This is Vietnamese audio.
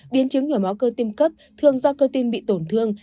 biến chứng nhồi máu cơ tim cấp thường do cơ tim bị tổn thương